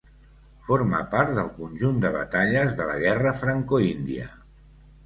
Forma part del conjunt de batalles de la Guerra Franco-Índia.